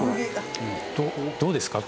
どうですか？